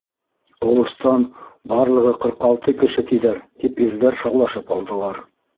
— Олостан барлығы ҡырҡ алты кеше тиҙәр, — тип ирҙәр шаулашып алдылар.